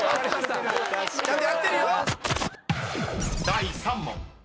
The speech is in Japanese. ［第３問］